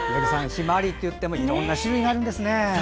ヒマワリといってもいろんな種類がありますね。